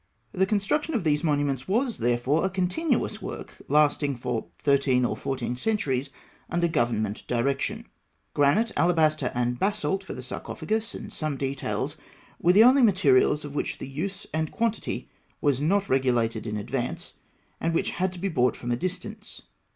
The construction of these monuments was, therefore, a continuous work, lasting for thirteen or fourteen centuries, under government direction. Granite, alabaster, and basalt for the sarcophagus and some details were the only materials of which the use and the quantity was not regulated in advance, and which had to be brought from a distance.